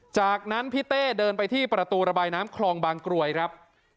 จากนั้นพี่เต้เดินไปที่ประตูระบายน้ำคลองบางกรวยครับ